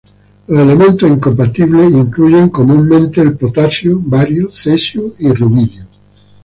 Los elementos incompatibles incluyen comúnmente el potasio, bario, cesio y rubidio.